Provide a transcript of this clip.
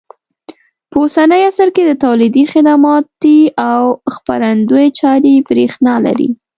په اوسني عصر کې د تولیدي، خدماتي او خپرندوی چارې برېښنا لري.